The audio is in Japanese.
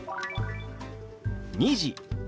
「２時」。